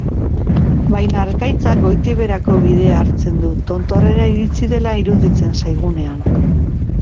Baina harkaitzak goitik beherako bidea hartzen du tontorrera iritsi dela iruditzen zaigunean.